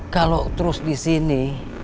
kalau terus di sini